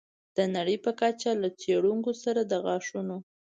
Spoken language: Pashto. د نړۍ په کچه له څېړونکو سره د غاښونو